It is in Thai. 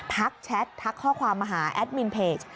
แชททักข้อความมาหาแอดมินเพจ